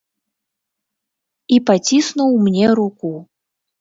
І паціснуў мне руку.